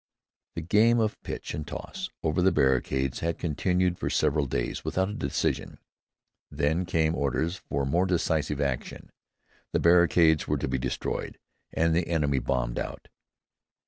The game of pitch and toss over the barricades had continued for several days without a decision. Then came orders for more decisive action. The barricades were to be destroyed and the enemy bombed out.